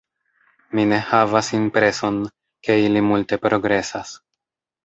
Mi ne havas impreson, ke ili multe progresas.